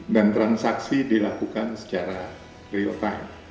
dan transaksi dilakukan secara real time